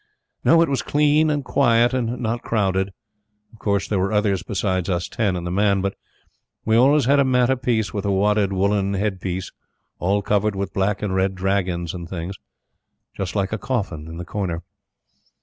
No; it was clean and quiet, and not crowded. Of course, there were others beside us ten and the man; but we always had a mat apiece with a wadded woollen head piece, all covered with black and red dragons and things; just like a coffin in the corner.